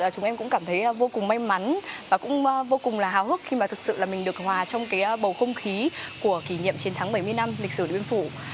chúng em cũng cảm thấy vô cùng may mắn và vô cùng hào hức khi mà thực sự mình được hòa trong bầu không khí của kỷ niệm trên tháng bảy mươi năm lịch sử liên phủ